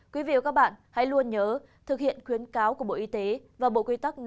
quý vị và các bạn hãy luôn nhớ thực hiện khuyến cáo của bộ y tế và bộ quy tắc